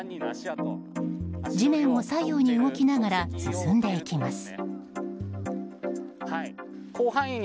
地面を左右に動きながら進んでいきます。